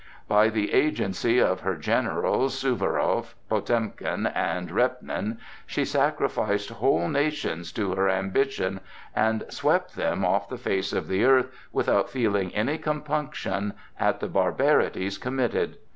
By the agency of her generals, Suwarow, Potemkin, and Repnin, she sacrificed whole nations to her ambition, and swept them off the face of the earth without feeling any compunction at the barbarities committed.